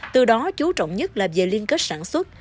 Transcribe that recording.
từ đó chú trọng nhất là về liên kết sản xuất